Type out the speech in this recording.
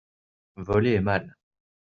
voler est mal.